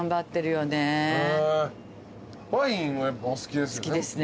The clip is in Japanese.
ワインはやっぱお好きですよね？